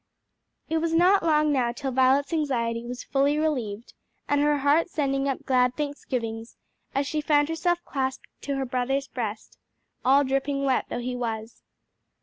It was not long now till Violet's anxiety was fully relieved and her heart sending up glad thanksgivings as she found herself clasped to her brother's breast, all dripping wet though he was.